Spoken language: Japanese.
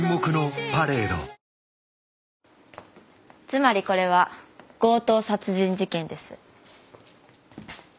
つまりこれは強盗殺人事件です。